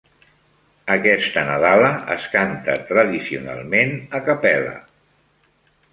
Aquesta nadala es canta tradicionalment "a cappella".